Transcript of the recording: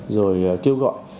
rồi kêu gọi